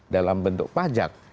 dalam bentuk pajak